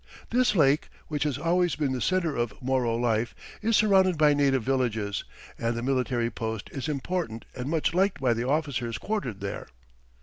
This lake, which has always been the center of Moro life, is surrounded by native villages, and the military post is important and much liked by the officers quartered there.